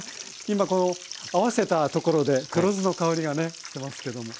今この合わせたところで黒酢の香りがねしてますけども。